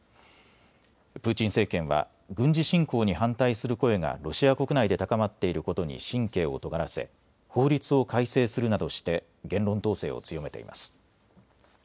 プーチン政権は軍事侵攻に反対する声がロシア国内で高まっていることに神経をとがらせ法律を改正するなどして言論統制を強めています。